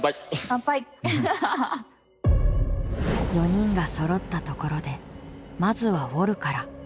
４人がそろったところでまずはウォルから。